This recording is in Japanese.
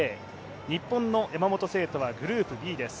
日本の山本聖途はグループＢです。